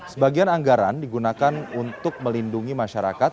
sebagian anggaran digunakan untuk melindungi masyarakat